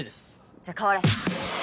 じゃあ代われ。